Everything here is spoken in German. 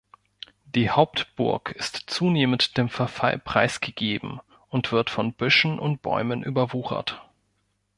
Die Hauptburg ist zunehmend dem Verfall preisgegeben und wird von Büschen und Bäumen überwuchert.